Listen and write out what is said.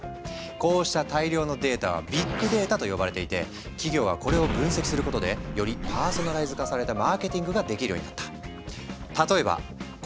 こうした大量のデータはビッグデータと呼ばれていて企業はこれを分析することでよりパーソナライズ化されたマーケティングができるようになった。